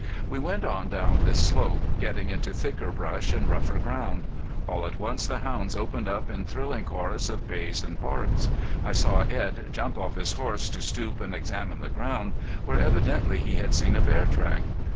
We went on down this slope, getting into thicker brush and rougher ground. All at once the hounds opened up in thrilling chorus of bays and barks. I saw Edd jump off his horse to stoop and examine the ground, where evidently he had seen a bear track.